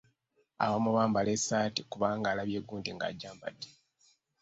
Abamu bambala esaati kubanga alabye gundi ng'agyambadde.